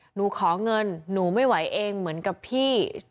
หนูขอเงินหนูไม่ไหวเองเหมือนกับพี่